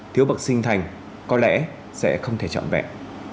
thiếu bậc sinh thành có lẽ sẽ không thể trọn vẹn